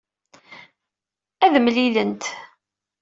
Ad mlellint.